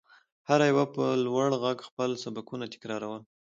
هر يوه به په لوړ غږ خپل سبقونه تکرارول.